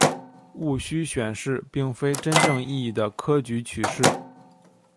戊戌选试并非真正意义的科举取士。